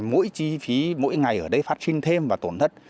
mỗi chi phí mỗi ngày ở đây phát sinh thêm và tổn thất